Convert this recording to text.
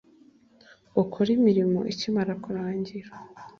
ukora imirimo ikimara kurangira.